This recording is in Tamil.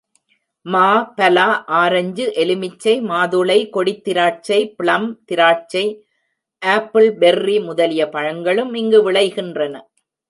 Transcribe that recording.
மா, பலா, ஆரஞ்சு, எலுமிச்சை, மாதுளை, கொடித்திராட்சை, ப்ளம் திராட்சை, ஆப்பிள், பெர்ரி முதலிய பழங்களும் இங்கு விளைகின்றன.